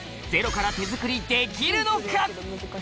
ゼロから手作りできるのか。